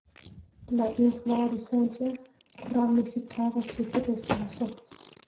La inflorescencia ramificada surge desde las hojas.